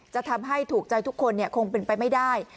จะทำให้ถูกใจทุกคนคงเป็นไปไม่ได้